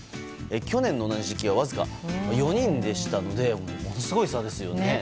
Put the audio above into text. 去年の同じ時期はわずか４人でしたのでものすごい差ですよね。